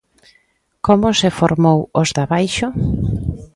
Como se formou Os d'Abaixo?